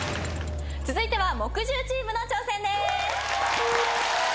続いては木１０チームの挑戦です！